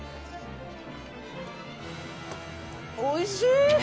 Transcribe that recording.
おいしい！